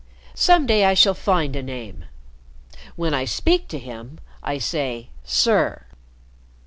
Some day I shall find a name. When I speak to him, I say 'Sir.'"